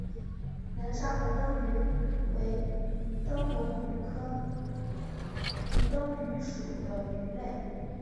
南沙虹灯鱼为灯笼鱼科虹灯鱼属的鱼类。